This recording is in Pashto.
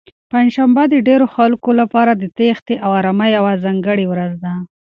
پنجشنبه د ډېرو خلکو لپاره د تېښتې او ارامۍ یوه ځانګړې ورځ ده.